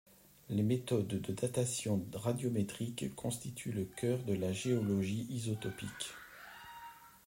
Les méthodes de datations radiométriques constituent le cœur de la géologie isotopique.